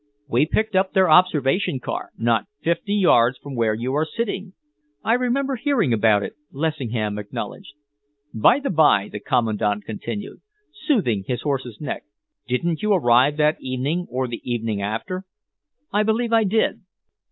We picked up their observation car not fifty yards from where you are sitting." "I remember hearing about it," Lessingham acknowledged. "By the by," the Commandant continued, smoothing his horse's neck, "didn't you arrive that evening or the evening after?" "I believe I did."